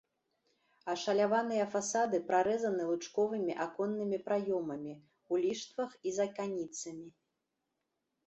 Ашаляваныя фасады прарэзаны лучковымі аконнымі праёмамі ў ліштвах і з аканіцамі.